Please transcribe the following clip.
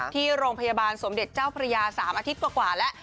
ที่โรงพยาบาลสมเด็จเจ้าพระยา๓อาทิตย์กว่าแล้ว